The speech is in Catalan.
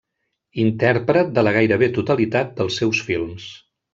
Intèrpret de la gairebé totalitat dels seus films.